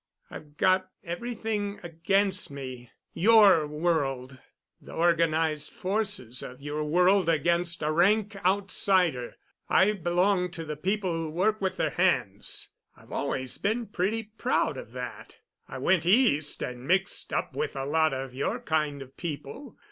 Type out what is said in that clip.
I've got everything against me—your world, the organized forces of your world against a rank outsider. I belong to the people who work with their hands. I've always been pretty proud of that. I went East and mixed up with a lot of your kind of people.